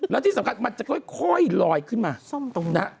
แล้วที่สำคัญมันจะค่อยลอยขึ้นมา